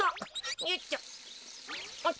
よいしょ。